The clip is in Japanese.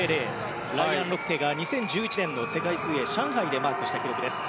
ライアン・ロクテが２０１１年の世界水泳上海でマークした記録です。